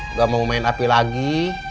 nggak mau main api lagi